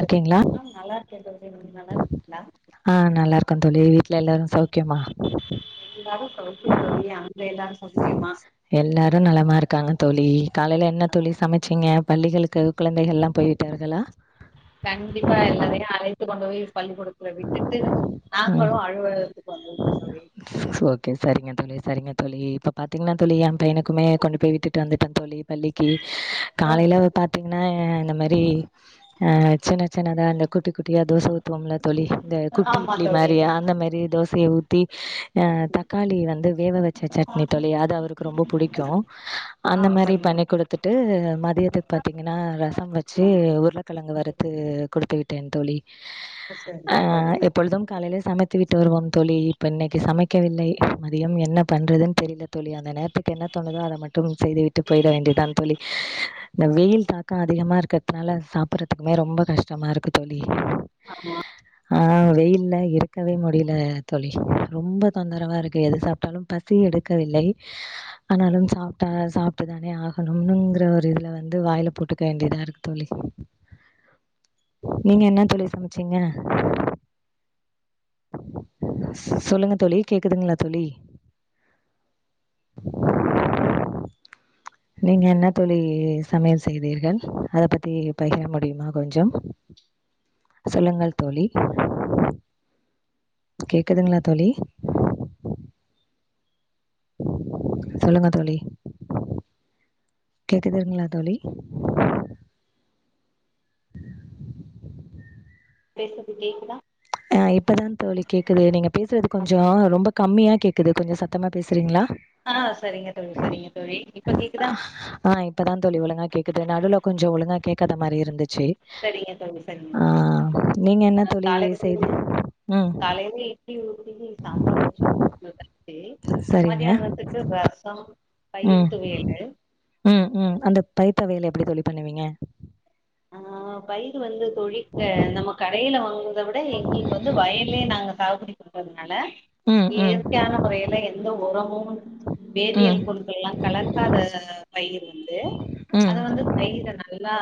இருக்கீங்களா ஆ நல்லாருக்கே தோழி நீங்க நல்லா இருக்கிங்ளா அ நல்லாருக்கே தோழி வீட்ல எல்லாரு சௌக்கியமா எல்லாரு சவுக்கியோ தோழி அங்க எல்லாரு சவுக்கியமா எல்லாரு நலமா இருக்காங்க தோழி காலையில என்ன தோழி சமைச்சிங்க பள்ளிகளுக்கு குழந்தைகள்லா போயிவிட்டார்களா கண்டிப்பா எல்லாரையு அழைத்து கொண்டு போயி பள்ளிக்கூடத்துல விட்டுட்டு ம் நாங்களு அலுவலகத்துக் கு வந்துருக்கே தோழி சோகே செரிங்க தோழி செரிங்க தோழி இப்ப பாத்தீங்கனா தோழி எ பையனுக்குமே கொண்டு போய் விட்டுட்டு வந்துட்டே தோழி பள்ளிக்கி ஆ காலைல வந் பாத்தீங்கனா அ இந்த மாரி அ சின்ன சின்னதா இந்த குட்டி குட்டியா தோச ஊத்துவோம்ல தோழி இந்த குட்டி இட் ஆமா இட்லி தோழி மாரியா அந்த மாரி தோசைய ஊத்தி அ தக்காளி வந்து வேவ வெச்ச சட்னி தோழி அது அவருக்கு ரொம்ப புடிக்கு ஆ அந்த மாரி சரிங்க பண்ணி குடுத் த்துட்டு மதியத்துக்கு பாத்தீங்கனா ரசம் வெச்சு உருளக்கெழங்கு வறுத்து குடுத்து விட்டேன் தோழி சரி ஆ தோழி சரி எப்பொழுதும் காலைலே சமைத்து விட்டு வருவோம் தோழி இப்ப இன்னைக்கு சமைக் க்கவில்லை மதியம் என்ன பண்றதுன் தெரில தோழி அந்த நேரத்துக்கு என்ன தோணுதோ அத மட்டு செய்து விட் ட்டு போயிட வேண்டியதான் தோழி இந்த வெயில் தாக்க அதிகமா இருக்கற்துனால சாப்புட்றதுக்குமே ரொம்ப கஷ்டமா இருக்கு தோழி அதனா ஆ வெயில்ல இருக்கவே முடியில தோழி ரொம்பத் தொந்தரவா இருக்கு எது சாப்ட்டாலும் பசி எடுக்கவில்லை அனாலு சாப்ட்டா சாப்ட்டுதானே ஆகணும்னுங்கிற ஒரு இதுல வந்து வாயில போட்டுக்க வேண்டிதா இருக்கு தோழி நீங்க என்ன தோழி சமைச்சீங்க சொல்லுங்க தோழி கேக்குதுங்களா தோழி நீங்க என்ன தோழி சமையல் செய்தீர்கள் அத பத்தி பகிர முடியுமா கொஞ்சோ சொல்லுங்கள் தோழி கேக்குதுங்ளா தோழி சொல்லுங்க தோழி கேக்குதுங்ளா தோழி பேசுறது கேக்குதா ஆ இப்ப தா தோழி கேக்குது நீங்க பேசுறது கொஞ்சோ அப்டியா ரொம்ப கம்மியா கேக்குது கொஞ்ச சத்தமா பேசுறீங்களா ஆ சரிங்க தோழி சரிங்க தோழி இப்ப கேக்குதா இப்பதா தோழி ஒழுங்கா கேக்குது நடுல கொஞ்சோ ஒழுங்கா கேக்காத மாரி இருந்துச்சு சேரிங்க தோழி சேரிங்க ஆ தோழி நீங்க என்ன நா தோழி காலை செய்து ம் காலையிலே இட்லி ஊத்தி சாம்பார் வச்சு குடு [unintelligible] சரிங்க மதியானத்துக்கு ரசோ பயிர் ம் தொவையலு ம் ம் அந்த பயிர் தொவையலு எப்டி தோழி பண்ணுவீங்க ஆ பயிர் வந்து தோழி [inaudible] நம்ம கடைல வாங் அத விட எங்களுக்கு வந்து வாயிலயே நாங்க சாவுகுடி குடுக்றதுனால ம் ம் இயற்கையான மொறையில எந்த உரமும் ம் வேதியியல் பொருட்கள் எல்லா கல பக்காத பயிர் வந்து அத ம் வந்து பயிர நல்லா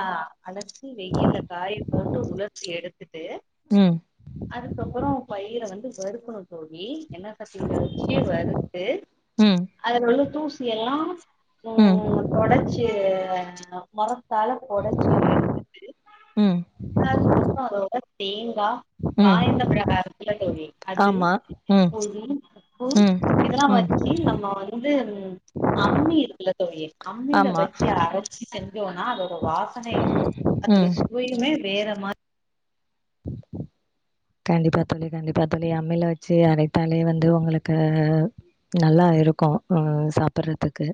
அழச் சி வெயில காய போட்டு உலர்த்தி எடுத்துட்டு ம் அதுக்கப்பறோ பயிர வந்து வறுக்கணும் தோழி எண்ண சட்டியில வச்சு வறுத்து ம் அதுல உள்ள தூசி எல்லா ம் தொடச்சு மரத் தால பொடச்சி எடுத்துட்டு ம் அதுக்கப்பறோ அதோட தேங்கா ம் காய்ந்த மிளகா இருக்குல்ல தோழி அது ஆமா ம் பூந்தி உப்பு ம் இதெல்லா ம் வெச்சு நம்ம வந் வந்து அம்மி இருக்குல தோழி அம்மில ஆமா வச்சு அரச் செஞ்சோனா அதோட வாசனையும் அதோட ம் சுவையுமே வேற மாரி கண்டிப்பா தோழி கண்டிப்பா தோழி அம்மில வெச்சு அரைத்தாலே வந்து உங்களுக்கு நல்லா இருக்கு ஆ சாப்புட்றத்துக்கு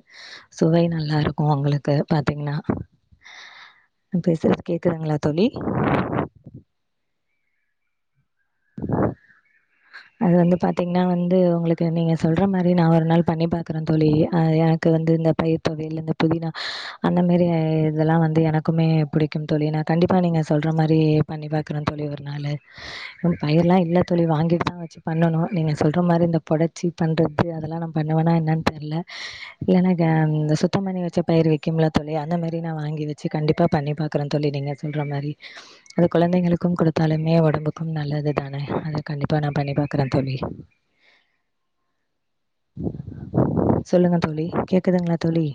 சுவை நல்லாருக்கு உங்குளுக்கு பாத்தீங்னா நா பேசுறது கேக்குதுங்ளா தோழி அது வந்து பாத்திங்கன்னா வந்து உங்களுக்கு நீங்க சொல்ற மாரி நா ஒரு நாள் பண்ணி பாக்குறே தோழி அ எனக்கு வந்து இந்த பயி தோவையிலு இந்த புதினா அந்த மாரி இதெல்லா வந்து எனக்குமே புடிக்கும் தோழி ஏன்ன கண்டிப்பா நீங்க சொல்ற மாரி பண்ணி பாக்குற தோழி ஒரு நாளு பயிரெலா இல்ல தோழி வாங்கிட்டு தா வச்சு பண்ணணும் நீங்க சொல்ற மாரி இந்த பொடச்சி பண்ணுறது அதெல்லா நா பண்ணுவேன்னா என்னென்னு தெர்ல இல்லனா க இந்த சுத்தம் பண்ணி வச்ச பயிர் விக்கிம்ல தோழி அந்த மாரி நா வாங்கி வச்சு கண்டிப்பா பண்ணிப் பா குடுக்குறே தோழி நீங்க சொல்ற மாரி அது குழந்தைகளுக்கும் குடுத்தாலுமே ஒடம்புக்கு கும் நல்லது தான அத கண்டிப்பா நா பண்ணி பாக்குற தோழி சொல்லுங்க தோழி கேக்குதுங்களா தோழி